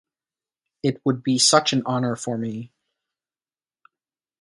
It would be such an honor for me.